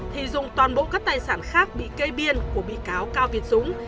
thì dùng toàn bộ các tài sản khác bị kê biên của bị cáo cao việt dũng